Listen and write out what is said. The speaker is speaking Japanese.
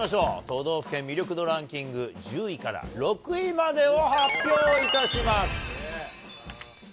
都道府県魅力度ランキング、１０位から６位までを発表いたします。